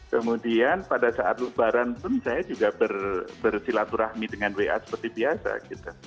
kemudian pada saat lebaran pun saya juga bersilaturahmi dengan wa seperti biasa gitu